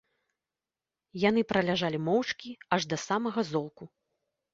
Яны праляжалі моўчкі аж да самага золку.